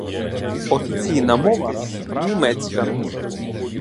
Офіційна мова — німецька.